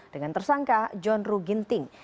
dengan tersangka john ruh ginting